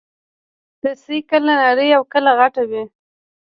رسۍ کله نرۍ او کله غټه وي.